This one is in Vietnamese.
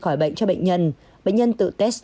khỏi bệnh cho bệnh nhân bệnh nhân tự test